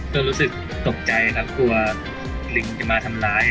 ก็รู้สึกตกใจเตราะลิงจะมาทำร้าย